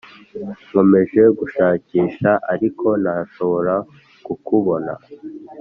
nkomeje gushakisha ariko ntashobora kukubona